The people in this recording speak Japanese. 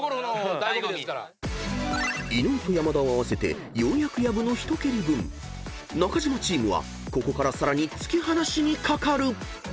［伊野尾と山田を合わせてようやく薮の一蹴り分］［中島チームはここからさらに突き放しにかかる］